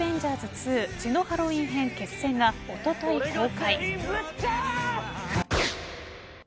２血のハロウィン編−決戦−がおととい公開。